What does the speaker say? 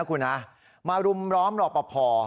คุณะมารุมล้อมหลอปพอ